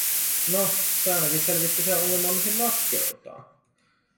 Noh, se ainakin selvitti sen ongelman, mihin laskeudutaan.